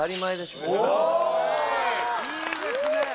いいですね